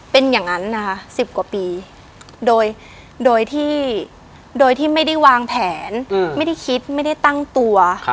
เป็นอย่างนั้นนะคะ๑๐กว่าปีโดยที่โดยที่ไม่ได้วางแผนไม่ได้คิดไม่ได้ตั้งตัว